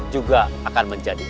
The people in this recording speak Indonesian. juga akan menjadi abc